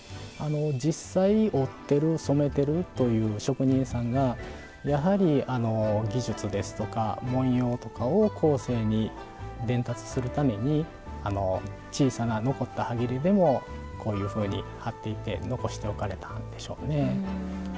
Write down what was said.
実際織ってる染めてるという職人さんがやはり技術ですとか文様とかを後世に伝達するために小さな残ったはぎれでもこういうふうに貼っていって残しておかれたんでしょうね。